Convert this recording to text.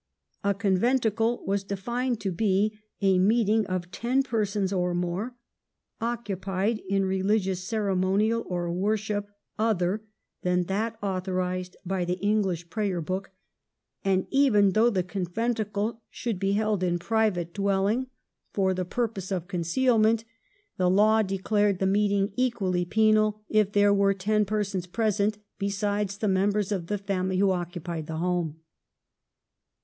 A conventicle was defined to be a meeting of ten persons or more, occupied in religious cere monial or worship other than that authorised by the English Prayer book, and, even though the con venticle should be held in a private dwelling for the 106 TflE KEIGN OF QUEEN ANNE. ch. xxvi. purpose of concealment, the law declared the meeting equally penal if there were ten persons present besides the members of the family who occupied the home.